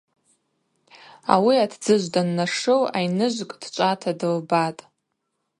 Ауи атдзыжв даннашыл айныжвкӏ дчӏвата дылбатӏ.